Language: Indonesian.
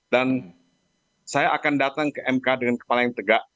saya akan datang ke mk dengan kepala yang tegak